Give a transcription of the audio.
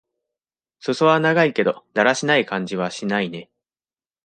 すそは長いけど、だらしない感じはしないね。